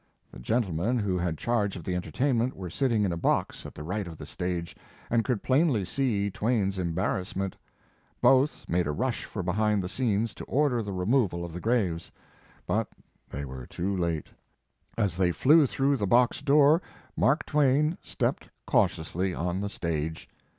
The gentlemen who had charge of the entertainment were sitting in a box at the right of the stage, and could plainly see Twain s em barrassment. Both made a rush for be hind the scenes to order the removal of the graves. But they were too late. As 162 Mark Twain they flew through the box door, Mark Twain stepped cautiously on the stage.